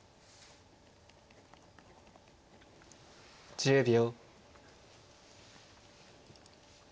１０秒。